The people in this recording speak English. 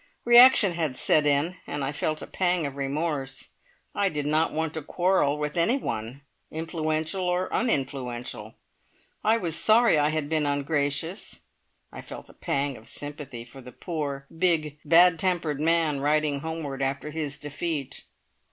Reaction had set in, and I felt a pang of remorse. I did not want to quarrel with anyone, influential or uninfluential. I was sorry I had been ungracious. I felt a pang of sympathy for the poor, big, bad tempered man riding homeward after his defeat.